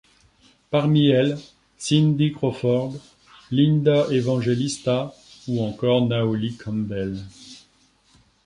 Parmi elles, Cindy Crawford, Linda Evangelista ou encore Naomi Campbell.